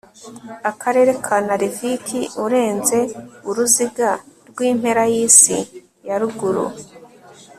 akarere ka narvik urenze uruziga rw impera y isi ya ruguru